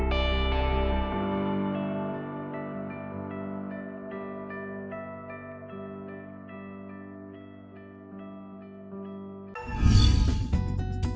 hẹn gặp lại